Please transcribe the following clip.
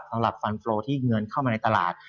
สำหรับฟันโฟลที่เงินเข้ามาในตลาด